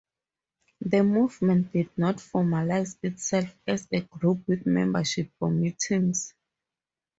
The movement did not formalize itself as a group with memberships or meetings.